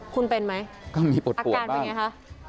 คุณเป็นไหมก็มีปวดปวดบ้างอาการเป็นไงคะ